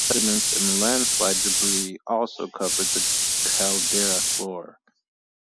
Sediments and landslide debris also covered the caldera floor.